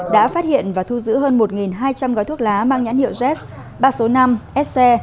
đã phát hiện và thu giữ hơn một hai trăm linh gói thuốc lá mang nhãn hiệu ges bạc số năm sc